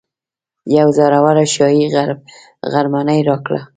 یوه زوروره شاهي غرمنۍ راکړه.